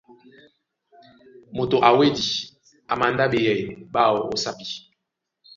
Moto a wedí a mandá ɓeyɛy ɓáō ó sápi.